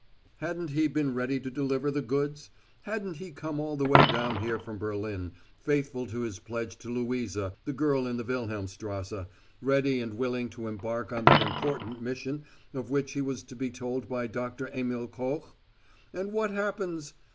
Hadn't he been ready to deliver the goods? Hadn't he come all the way down here from Berlin, faithful to his pledge to Louisa, the girl in the Wilhelmstrasse, ready and willing to embark on that important mission of which he was to be told by Doctor Emil Koch? And what happens?